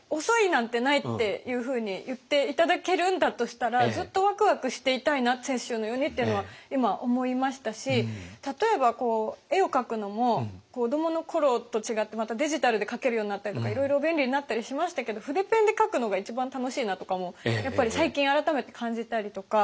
遅いなんてないっていうふうに言って頂けるんだとしたらずっとワクワクしていたいな雪舟のようにっていうのは今思いましたし例えば絵を描くのも子どものころと違ってまたデジタルで描けるようになったりとかいろいろ便利になったりしましたけど筆ペンで描くのが一番楽しいなとかもやっぱり最近改めて感じたりとか。